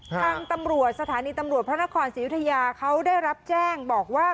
ทางตำรวจสถานีตำรวจพระนครศรียุธยาเขาได้รับแจ้งบอกว่า